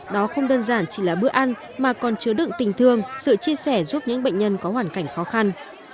đó không đơn giản chỉ là bữa ăn mà còn chứa đựng tình thương sự chia sẻ giúp những bệnh nhân có hoàn cảnh khó khăn